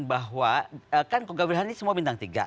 bahwa kan kogak wilhan ini semua bintang tiga